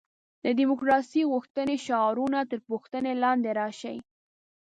د دیموکراسي غوښتنې شعارونه تر پوښتنې لاندې راشي.